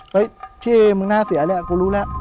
เฮ้ยเฉยมึงหน้าเสียแหละกูรู้แล้ว